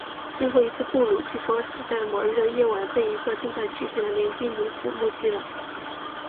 最后一只布鲁据说是在某日的夜晚被一个正在取水的年轻女子目击的。